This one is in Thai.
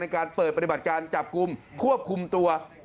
การเปิดปฏิบัติการจับกลุ่มควบคุมตัว